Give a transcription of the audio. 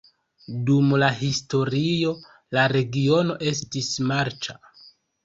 Dum la historio la regiono estis marĉa.